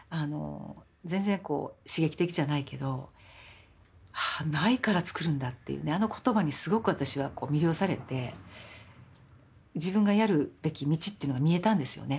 全然こう刺激的じゃないけど「ないからつくるんだ」っていうあの言葉にすごく私は魅了されて自分がやるべき道っていうのが見えたんですよね。